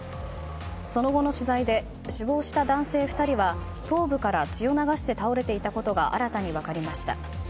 その後の取材で死亡した男性２人は頭部から血を流して倒れていたことが新たに分かりました。